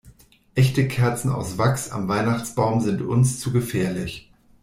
Echte Kerzen aus Wachs am Weihnachtsbaum sind uns zu gefährlich.